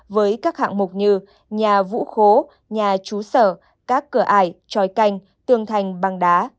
với các hạng mục như nhà vũ khố nhà chú sở các cửa ải tròi canh tương thành bằng đá